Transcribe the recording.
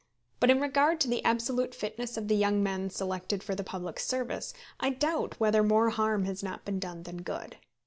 But in regard to the absolute fitness of the young men selected for the public service, I doubt whether more harm has not been done than good.